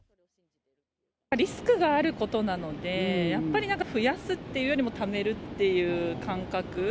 リスクがあることなので、やっぱりなんか増やすっていうよりもためるっていう感覚。